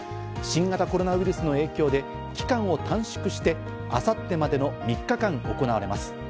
新型コロナウイルスの影響で期間を短縮して明後日までの３日間行われます。